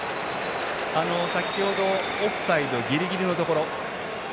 オフサイドギリギリのところ。